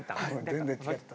全然違ってた。